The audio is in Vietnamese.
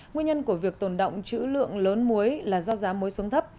nguyên nhân của việc tồn động chữ lượng lớn muối là do giá muối xuống thấp